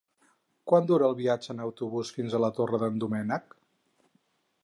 Quant dura el viatge en autobús fins a la Torre d'en Doménec?